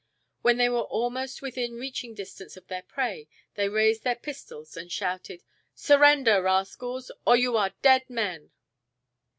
When they were almost within reaching distance of their prey they raised their pistols and shouted: "Surrender, rascals, or you are dead men!"